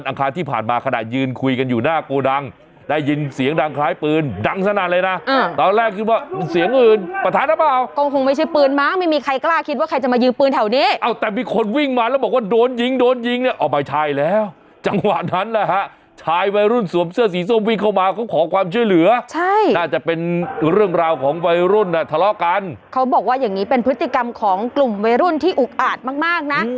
โอ้โหโอ้โหโอ้โหโอ้โหโอ้โหโอ้โหโอ้โหโอ้โหโอ้โหโอ้โหโอ้โหโอ้โหโอ้โหโอ้โหโอ้โหโอ้โหโอ้โหโอ้โหโอ้โหโอ้โหโอ้โหโอ้โหโอ้โหโอ้โหโอ้โหโอ้โหโอ้โหโอ้โหโอ้โหโอ้โหโอ้โหโอ้โหโอ้โหโอ้โหโอ้โหโอ้โหโอ้โห